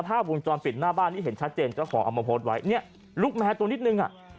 ภาพวงจรปิดหน้าบ้านนี่เห็นชัดเจนเจ้าของเอามาโพสต์ไว้เนี่ยลูกแมวตัวนิดนึงอ่ะ